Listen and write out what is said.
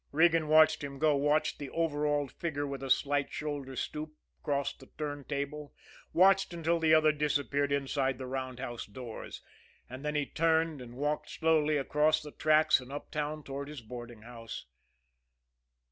Regan watched him go, watched the overalled figure with a slight shoulder stoop cross the turntable, watched until the other disappeared inside the roundhouse doors; and then he turned and walked slowly across the tracks and uptown toward his boarding house.